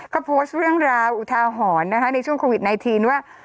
ก็โพสต์เรื่องราวอุทาหรณ์นะคะในช่วงโควิด๑๙ว่า